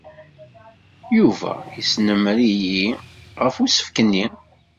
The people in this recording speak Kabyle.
Yuba yesnemmer-iyi ɣef usefk-nni.